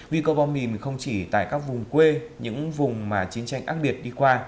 vì có bom mìn không chỉ tại các vùng quê những vùng mà chiến tranh ác biệt đi qua